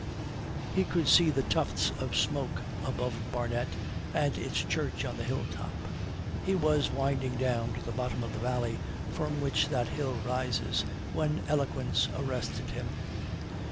He could see the tufts of smoke above Barnet and its church on the hill top. He was winding down to the bottom of the valley from which that hill rises, when eloquence arrested him.